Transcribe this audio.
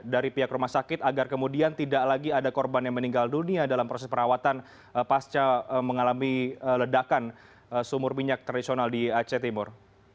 dari pihak rumah sakit agar kemudian tidak lagi ada korban yang meninggal dunia dalam proses perawatan pasca mengalami ledakan sumur minyak tradisional di aceh timur